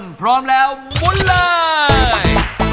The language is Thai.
ทุกคนพร้อมแล้วมุ่นเลย